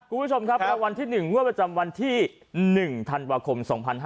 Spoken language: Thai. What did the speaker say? คุณผู้ชมครับรางวัลที่๑งวดประจำวันที่๑ธันวาคม๒๕๕๙